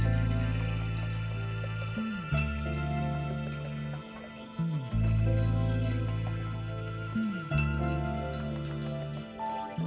tapi abah tidak disimpan dirumah ini